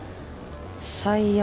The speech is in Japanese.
最悪。